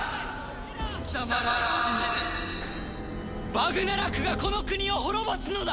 バグナラクがこの国を滅ぼすのだ！